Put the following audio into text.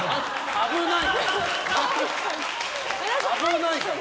危ないから！